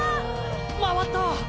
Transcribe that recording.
回った！